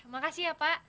makasih ya pak